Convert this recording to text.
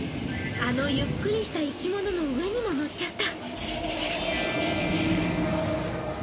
あのゆっくりした生き物の上にも乗っちゃった。